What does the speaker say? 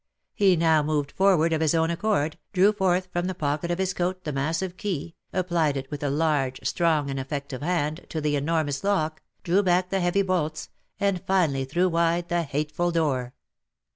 He now moved forward of his own accord, drew forth from the pocket of his coat the massive key, applied it with a large, strong, and effective hand, to the enormous lock, drew back the heavy bolts, and finally threw wide the hateful door.